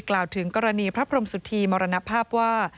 กล่าวถึงกรณีพระพรมสุธีมรณภาพว่า